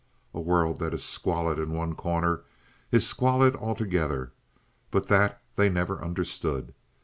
A world that is squalid in one corner is squalid altogether, but that they never understood.